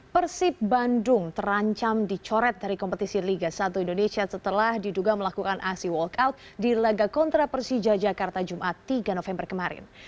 persib bandung terancam dicoret dari kompetisi liga satu indonesia setelah diduga melakukan aksi walkout di laga kontra persija jakarta jumat tiga november kemarin